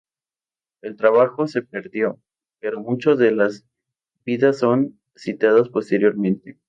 El trabajo se perdió, pero muchos de las "Vidas" son citadas posteriormente.